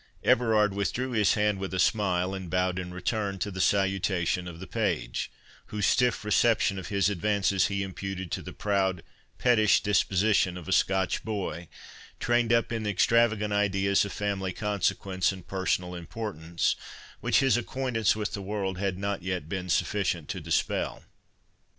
Everard withdrew his hand with a smile, and bowed in return to the salutation of the page, whose stiff reception of his advances he imputed to the proud pettish disposition of a Scotch boy, trained up in extravagant ideas of family consequence and personal importance, which his acquaintance with the world had not yet been sufficient to dispel.